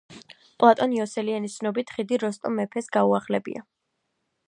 პლატონ იოსელიანის ცნობით, ხიდი როსტომ მეფეს განუახლებია.